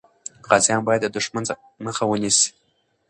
غازیان باید د دښمن مخه ونیسي.